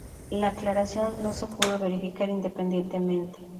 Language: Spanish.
La aclaración no se pudo verificar independientemente.